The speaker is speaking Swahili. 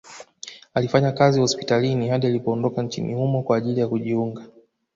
Alifanya kazi hospitalini hadi alipoondoka nchini humo kwa ajili ya kujiunga